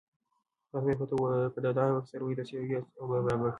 تاسو باید په توده هوا کې څارویو ته سیوری او سړې اوبه برابرې کړئ.